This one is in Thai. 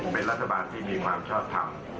เป็นรัฐบาลที่มีความชอบทำ